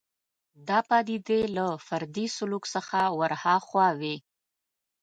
دا پدیدې له فردي سلوک څخه ورهاخوا وي